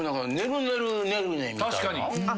確かに。